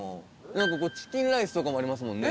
なんかチキンライスとかもありますもんね。